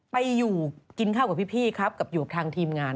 ไปอยู่กินข้าวกับพี่ครับกับอยู่ทางทีมงาน